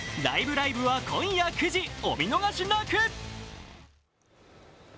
ライブ！」は今夜９時、お見逃しなく！